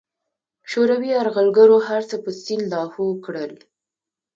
شوروي یرغلګرو هرڅه په سیند لاهو کړل.